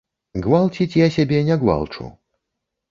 Гвалціць я сябе не гвалчу.